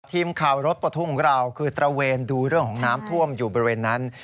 ทีมข่าวรถประทุ่งของเราคือตระเวนดูเรื่องของน้ำท่วมอยู่บริเวณนั้น